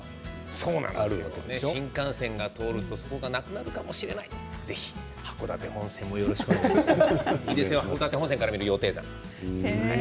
新幹線が通るとそこがなくなるかもしれないぜひ函館本線をよろしくお願いします。